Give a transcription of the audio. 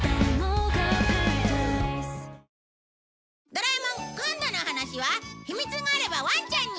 『ドラえもん』今度のお話は秘密があればワンちゃんに！